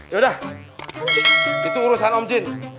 yaudah itu urusan om jin